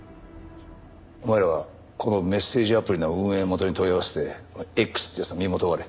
お前らはこのメッセージアプリの運営元に問い合わせてこのＸって奴の身元を割れ。